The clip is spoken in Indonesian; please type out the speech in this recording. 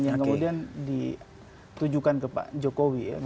yang kemudian ditujukan ke pak jokowi ya